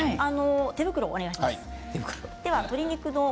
手袋をお願いします。